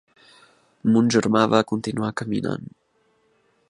Mon germà va continuar caminant.